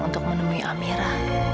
untuk menemui amira